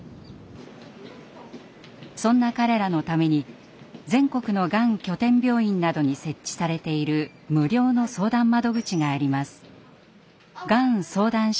そんな彼らのために全国のがん拠点病院などに設置されている無料の相談窓口があります。